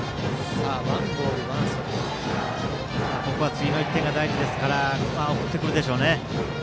次の１点が大事ですから送ってくるでしょうね。